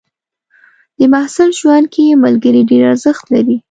د محصل ژوند کې ملګري ډېر ارزښت لري.